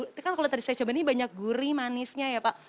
itu kan kalau tadi saya coba ini banyak gurih manisnya ya pak